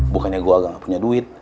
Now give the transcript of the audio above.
bukannya gua gak punya duit